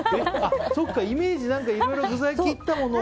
イメージいろいろ具材を切ったものを